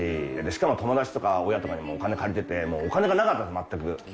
しかも友達とか親とかにもお金借りててもうお金がなかったんですよ全く。